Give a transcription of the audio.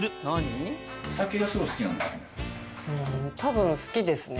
多分好きですね。